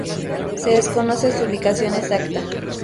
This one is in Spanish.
Se desconoce su ubicación exacta.